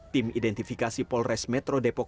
tim identifikasi polres metro depok